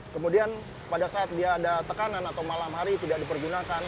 kemudian pada saat dia ada tekanan atau malam hari tidak dipergunakan